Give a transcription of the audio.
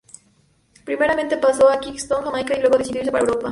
Primeramente pasó a Kingston, Jamaica, y luego decidió irse para Europa.